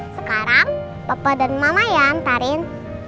sekarang papa dan mama ya antarin